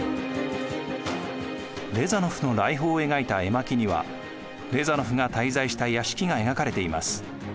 レザノフの来訪を描いた絵巻にはレザノフが滞在した屋敷が描かれています。